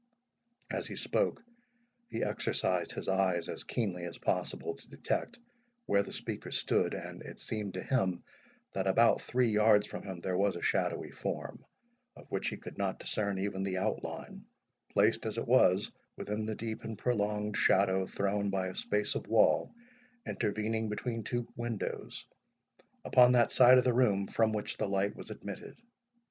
As he spoke, he exercised his eyes as keenly as possible to detect where the speaker stood; and it seemed to him, that about three yards from him there was a shadowy form, of which he could not discern even the outline, placed as it was within the deep and prolonged shadow thrown by a space of wall intervening betwixt two windows, upon that side of the room from which the light was admitted.